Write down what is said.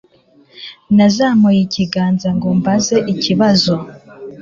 Nazamuye ikiganza ngo mbaze ikibazo